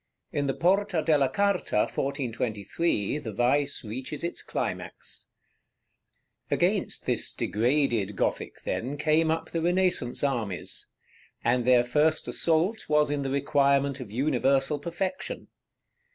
In the Porta della Carta, 1423, the vice reaches its climax. § XVI. Against this degraded Gothic, then, came up the Renaissance armies; and their first assault was in the requirement of universal perfection.